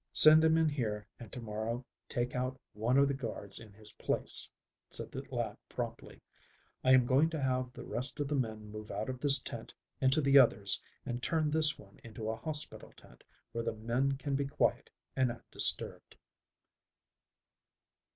"Send him in here and to morrow take out one of the guards in his place," said the lad promptly. "I am going to have the rest of the men move out of this tent into the others and turn this one into a hospital tent where the men can be quiet and undisturbed."